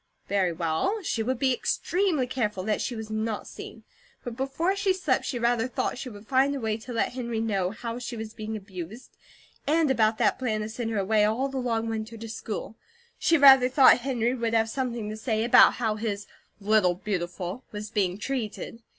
Very well, she would be extremely careful that she was NOT seen; but before she slept she rather thought she would find a way to let Henry know how she was being abused, and about that plan to send her away all the long winter to school. She rather thought Henry would have something to say about how his "Little Beautiful" was being treated.